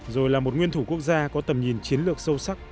rồi là một nguyên thủ quốc gia có tầm nhìn chiến lược sâu sắc